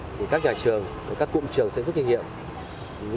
của các nhà trường các cụm trường xây dựng kinh nghiệm